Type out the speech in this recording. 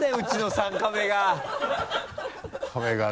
３カメがね。